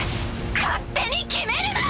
勝手に決めるな！